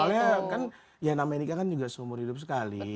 soalnya kan yang namanya nikah kan juga seumur hidup sekali